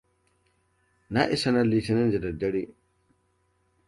Na isa nan Litinin da dare.